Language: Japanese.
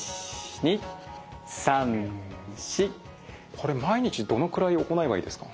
これ毎日どのくらい行えばいいですか？